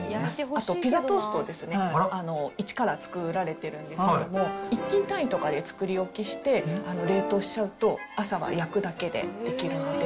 あとピザトーストですね、一から作られてるんですけど、１斤単位とかで作り置きして、冷凍しちゃうと朝は焼くだけでできるので。